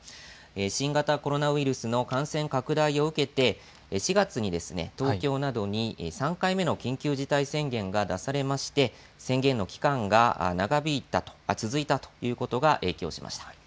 新型コロナウイルスの感染拡大を受けて４月に東京などに３回目の緊急事態宣言が出されまして宣言の期間が続いたということが影響しました。